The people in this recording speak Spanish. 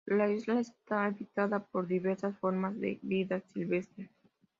La isla está habitada por diversas formas de vida silvestre.